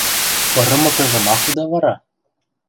– Пырымыкыжы, ма худа вара?